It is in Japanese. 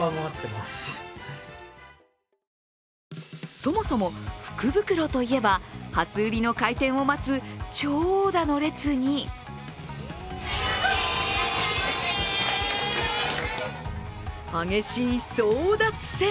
そもそも福袋といえば初売りの開店を待つ長蛇の列に激しい争奪戦。